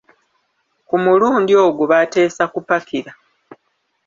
Ku mulindi ogwo baateesa kupakira